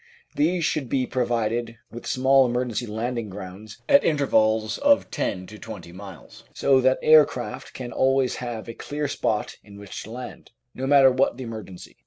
These should be provided with small emergency landing grounds at intervals of ten to twenty miles, so that air craft can always have a clear spot in which to land, no matter what the emergency.